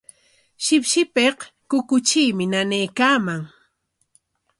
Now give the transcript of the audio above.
Shipshipik kukutriimi nanaykaaman.